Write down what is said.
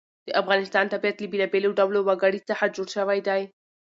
د افغانستان طبیعت له بېلابېلو ډولو وګړي څخه جوړ شوی دی.